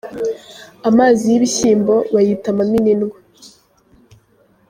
amazi yibishyimbo bayita amamininwa